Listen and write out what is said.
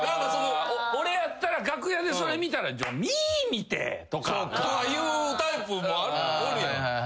俺やったら楽屋でそれ見たら「みーみ」って！とか。言うタイプもおるやん。